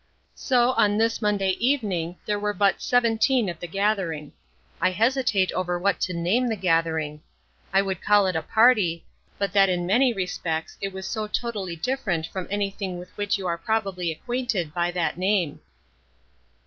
So, on this Monday evening, there were but seventeen at the gathering. I hesitate over what to name the gathering. I would call it a party, but that in many respects it was so totally different from anything with which you are probably acquainted by that name.